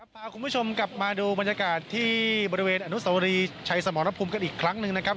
พาคุณผู้ชมกลับมาดูบรรยากาศที่บริเวณอนุสวรีชัยสมรภูมิกันอีกครั้งหนึ่งนะครับ